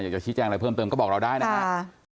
อยากจะชี้แจ้งอะไรเพิ่มเติมก็บอกเราได้นะครับ